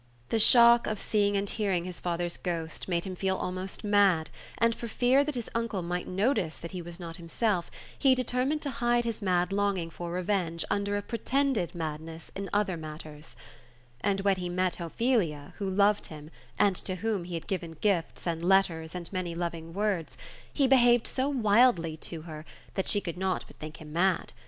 The shock of seeing and hearing his father's ghost made him feel almost mad, and for fear that his uncle might notice that he was not himself, he determined to hide his mad longing for revenge under a pretended madness in other matters. And when he met Ophelia, who loved him — and to whom he had HAMLET AND OPHZUA. a could not bat think him m 46 THE CHILDREN'S SHAKESPEARE. given gifts, and letters, and many loving words — ^he behaved so wildly to her, that she could not but think him mad.